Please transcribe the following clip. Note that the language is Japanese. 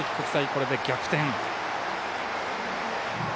ここで逆転。